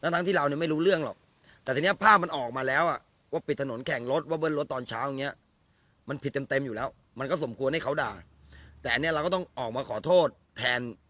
แต่ทีนี่โซเชียลมันโจมตีเราว่าเราเป็นคนจัด